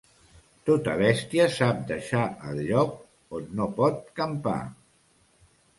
Tota bèstia sap deixar el lloc on no pot campar.